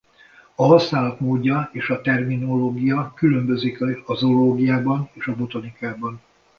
A használat módja és a terminológia különbözik a zoológiában és a botanikában.